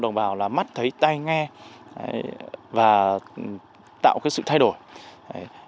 đồng bào mắt thấy tay nghe và tạo sự thay đổi